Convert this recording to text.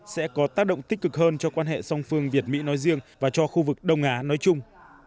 sẽ có tác động tích cực hơn cho quan hệ song phương việt mỹ nói riêng và cho khu vực đông á nói chung